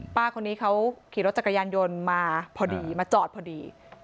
ป้าคนนี้เขาขี่รถจักรยานยนต์มาพอดีมาจอดพอดี